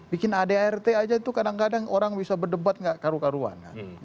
bikin adart aja itu kadang kadang orang bisa berdebat gak karuan karuan